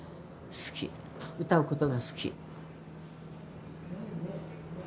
歌うことが好き。